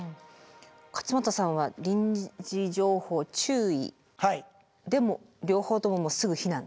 勝俣さんは臨時情報注意でも両方ともすぐ避難と。